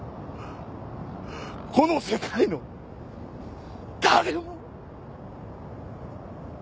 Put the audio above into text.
この世界の誰も。